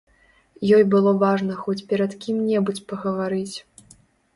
Ёй было важна хоць перад кім-небудзь пагаварыць.